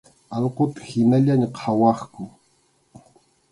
Allquta hinallaña qhawaqku.